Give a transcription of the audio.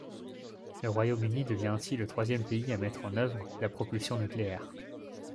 Le Royaume-Uni devient ainsi le troisième pays à mettre en œuvre la propulsion nucléaire.